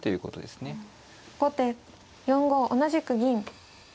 後手４五同じく銀。